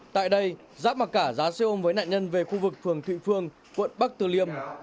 tại đây giáp mà cả giá xe ôm với nạn nhân về khu vực phường thụy phương quận bắc từ liêm